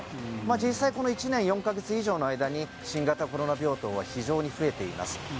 実際、この１年４か月以上の間に新型コロナ病床は非常に増えています。